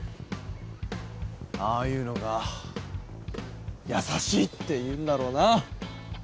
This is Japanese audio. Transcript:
ああいうのが優しいって言うんだろうな！